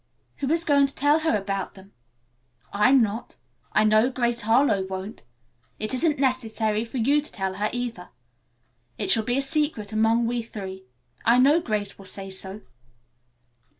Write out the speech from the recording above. "Who is going to tell her about them? I'm not. I know Grace Harlowe won't. It isn't necessary for you to tell her either. It shall be a secret among we three. I know Grace will say so."